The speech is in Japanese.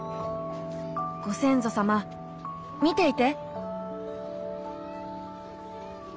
ご先祖様見ていて。